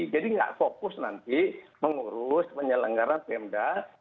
jadi nggak fokus nanti mengurus penyelenggaran pmdat